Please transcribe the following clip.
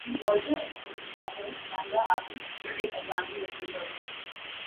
He also expects other manga artists to take advantage of the service.